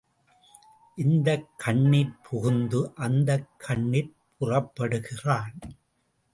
இந்தக் கண்ணிற் புகுந்து அந்தக் கண்ணிற் புறப்படுகிறான்.